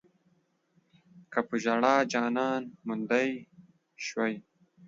که پۀ ژړا جانان موندی شوی